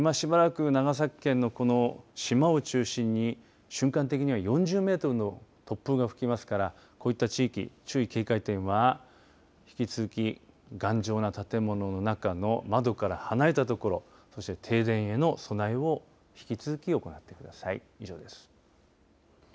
今しばらく長崎県の島を中心に瞬間的には４０メートルの突風が吹きますからこういった地域、注意警戒点は引き続き、頑丈な建物の中の窓から離れたところそして停電への備えを引き続き行ってください以上です。